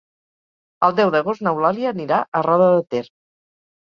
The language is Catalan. El deu d'agost n'Eulàlia anirà a Roda de Ter.